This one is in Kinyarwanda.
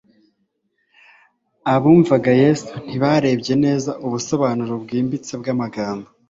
Abumvaga Yesu ntibarebye neza ubusobanuro bwimbitse bw'amagambo